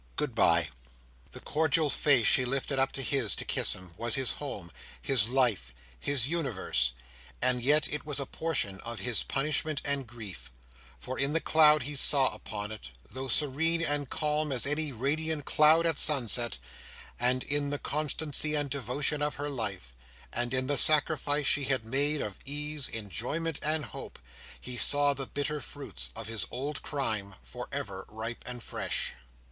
Good bye." The cordial face she lifted up to his to kiss him, was his home, his life, his universe, and yet it was a portion of his punishment and grief; for in the cloud he saw upon it—though serene and calm as any radiant cloud at sunset—and in the constancy and devotion of her life, and in the sacrifice she had made of ease, enjoyment, and hope, he saw the bitter fruits of his old crime, for ever ripe and fresh.